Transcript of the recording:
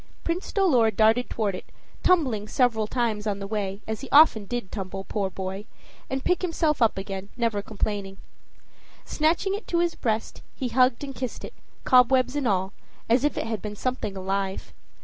Prince Dolor darted toward it, tumbling several times on the way, as he often did tumble, poor boy! and pick himself up again, never complaining. Snatching it to his breast, he hugged and kissed it, cobwebs and all, as if it had been something alive.